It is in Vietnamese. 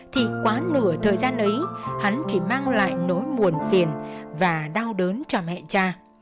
thì quá nửa thời gian ấy hắn chỉ mang lại nỗi buồn phiền và đau đớn cho mẹ cha